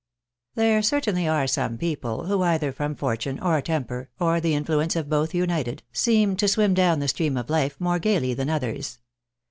Theke certainly are some people, who either from fortune, or temper, or the iniiuence of both united, seem to swim down the stream of life more gaily than others.